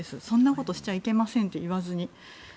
そんなことしちゃいけませんと言わずに。